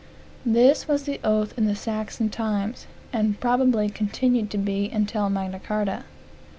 This was the oath in the Saxon times, and probably continued to be until Magna Carta.